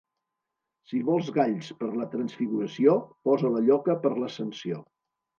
Si vols galls per la Transfiguració, posa la lloca per l'Ascensió.